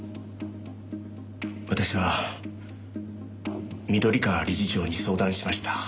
私は緑川理事長に相談しました。